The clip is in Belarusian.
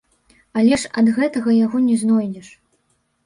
Але ж ад гэтага яго не знойдзеш.